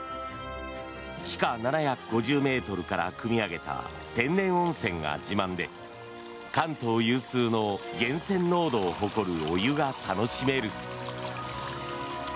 地下７５０ｍからくみ上げた天然温泉が自慢で関東有数の源泉濃度を誇るお湯が楽しめる。